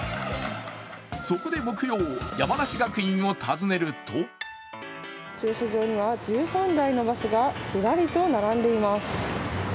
そこで木曜、山梨学院を訪ねると駐車場には１３台のバスがずらりと並んでいます。